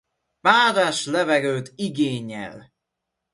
Párás levegőt igényel.